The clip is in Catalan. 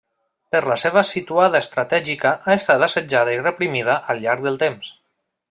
Per la seva situada estratègica ha estat assetjada i reprimida al llarg del temps.